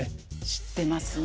知ってますね。